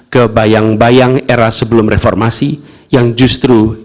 ke bayang bayang era sebelum reformasi yang justru kita hendak jauhi